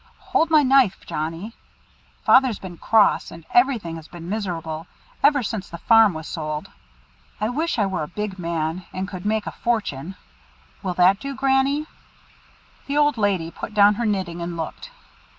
"Hold my knife, Johnnie. Father's been cross, and everything has been miserable, ever since the farm was sold. I wish I were a big man, and could make a fortune. Will that do, Granny?" The old lady put down her knitting and looked.